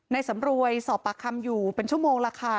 สำรวยสอบปากคำอยู่เป็นชั่วโมงแล้วค่ะ